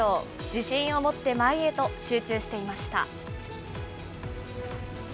自信をもって前へと、集中していました。